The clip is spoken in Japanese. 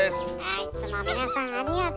いつも皆さんありがと！